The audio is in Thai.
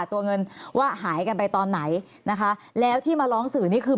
ตัวเงินว่าหายกันไปตอนไหนแล้วที่มาร้องสื่อมันเกิดอะไรขึ้น